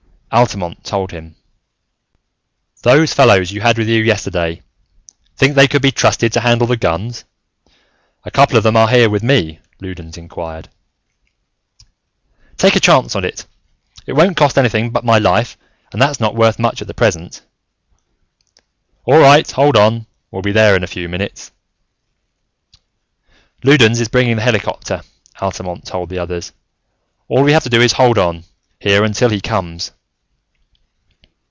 Altamont told him. "Those fellows you had up with you yesterday, think they could be trusted to handle the guns? A couple of them are here with me," Loudons inquired. "Take a chance on it! It won't cost anything but my life, and that's not worth much at the present." "All right, hold on. We'll be there in a few minutes." "Loudons is bringing the helicopter," Altamont told the others. "All we have to do is to hold on, here, until he comes."